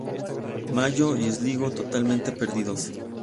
Mayo y Sligo totalmente perdidos".